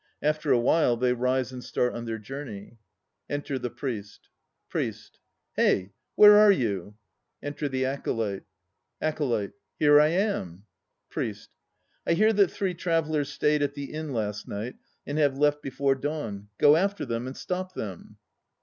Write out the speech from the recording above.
After a while they rise and start on their journey.) Enter the PRIEST. PRIEST. Hey! where are you? Enter the ACOLYTE ACOLYTE. Here I am. PRIEST. I hear that three travellers stayed at the Inn last night and have left before dawn. Go after them and stop them.